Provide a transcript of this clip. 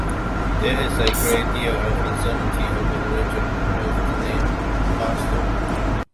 There is a great deal of uncertainty over the origin of the name "Monster".